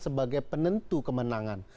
sebagai penentu kemenangan